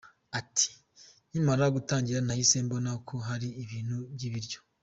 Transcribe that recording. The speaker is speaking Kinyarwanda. Ati « Nkimara gutangira nahise mbona ko ari ibintu by’ibiryo .